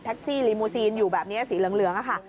แท็กซี่ลิมูซินอยู่แบบนี้สีเหลืองอะค่ะ